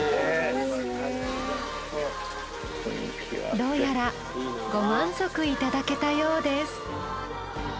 どうやらご満足いただけたようです。